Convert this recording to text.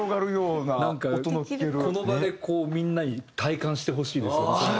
なんかこの場でみんなに体感してほしいですよねそれを。